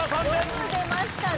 よく出ましたね。